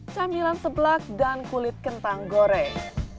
camilan seblak dan kulit kentang goreng